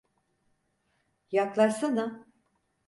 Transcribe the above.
Yaklaşsana!